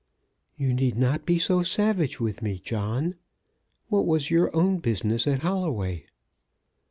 "You need not be so savage with me, John. What was your own business at Holloway?"